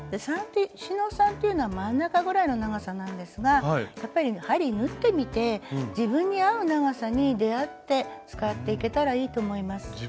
四ノ三というのは真ん中ぐらいの長さなんですがやっぱり針縫ってみて自分に合う長さに出会って使っていけたらいいと思います。